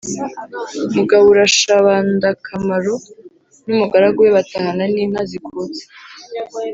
mugaburushabandakamaro n’ umugaragu we batahana n’ inka zikutse,